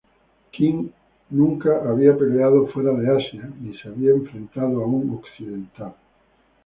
Kim nunca había peleado fuera de Asia ni se había enfrentado a un occidental.